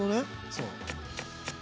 そう。